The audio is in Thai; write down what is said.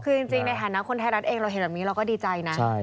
คือจริงในฐานะคนไทยรัฐเองเราเห็นแบบนี้เราก็ดีใจนะ